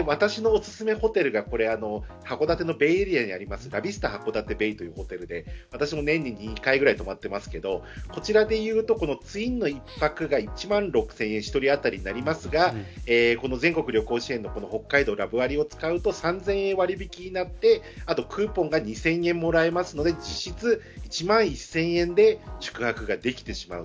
私のおすすめホテルが函館のベイエリアにあるラビスタ函館ベイというホテルで年に１回泊ってますがツインの１泊が１万６０００円になりますが全国旅行支援の北海道ラブ割を使うと３０００円割引になってあと、クーポンが２０００円もらえますので実質１万１０００円で宿泊ができてしまう。